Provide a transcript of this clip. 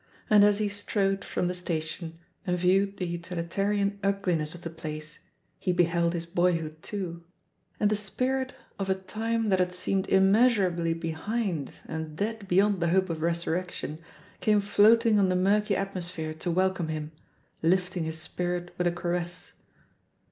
And as he strode from the station and viewed the utilitarian ugliness of the place, he beheld his boyhood too; and the spirit of a time that had seemed immeas urably behind and dead beyond the hope of resur rection came floating on the murky atmosphere to welcome him, lifting his spirit with a caress.